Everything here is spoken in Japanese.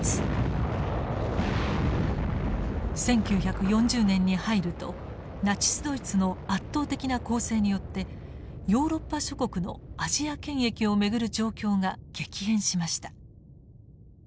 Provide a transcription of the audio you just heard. １９４０年に入るとナチスドイツの圧倒的な攻勢によってヨーロッパ諸国のアジア権益を巡る状況が激変しました。